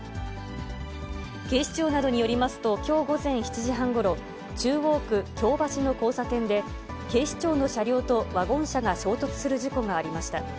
警視庁などによりますと、きょう午前７時半ごろ、中央区京橋の交差点で、警視庁の車両とワゴン車が衝突する事故がありました。